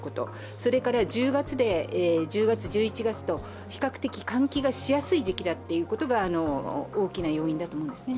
それから１０月、１１月と比較的換気がしやすい時期だというのが大きな要因だと思うんですね。